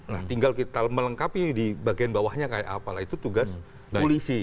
nah tinggal kita melengkapi di bagian bawahnya kayak apalah itu tugas polisi